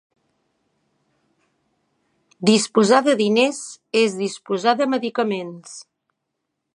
Disposar de diners és disposar de medicaments.